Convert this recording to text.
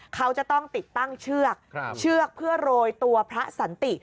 เขาจะต้องติดตั้งเชือกเชือกเพื่อโรยตัวพระสันติ